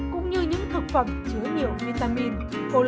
cũng như những thực phẩm chứa nhiều vitamin collagen để bổ sung cho cơ thể